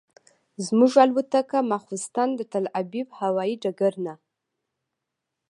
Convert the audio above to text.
زموږ الوتکه ماسخوتن د تل ابیب هوایي ډګر نه.